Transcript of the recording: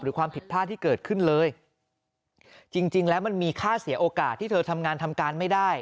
ความผิดพลาดที่เกิดขึ้นเลยจริงจริงแล้วมันมีค่าเสียโอกาสที่เธอทำงานทำการไม่ได้